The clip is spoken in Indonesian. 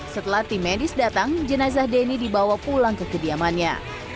setelah tim medis datang jenazah denny dibawa pulang ke kediamannya